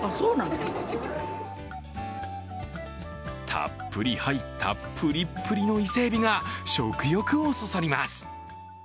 たっぷり入ったプリップリの伊勢えびが食欲をそそります。